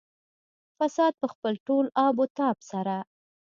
فساد په خپل ټول آب او تاب سره.